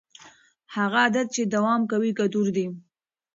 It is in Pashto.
هغه عادت چې دوام کوي ګټور دی.